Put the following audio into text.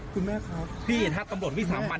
ปี๖๕วันเกิดปี๖๔ไปร่วมงานเช่นเดียวกัน